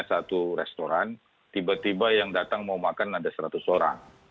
satu restoran tiba tiba yang datang mau makan ada seratus orang